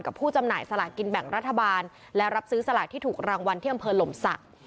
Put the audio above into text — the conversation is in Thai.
ผู้จำหน่ายสลากกินแบ่งรัฐบาลและรับซื้อสลากที่ถูกรางวัลที่อำเภอหลมศักดิ์